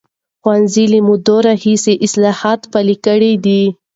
ښوونځي له مودې راهیسې اصلاحات پلي کړي دي.